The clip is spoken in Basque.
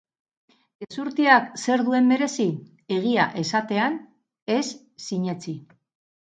Gezurtiak zer duen merezi? Egia esatean ez sinetsi.